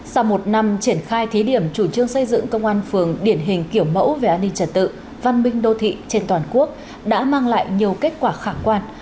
sau một năm triển khai thí điểm chủ trương xây dựng công an phường điển hình kiểu mẫu về an ninh trật tự văn minh đô thị trên toàn quốc đã mang lại nhiều kết quả khả quan